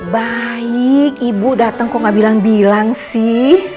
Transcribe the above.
baik ibu datang kok gak bilang bilang sih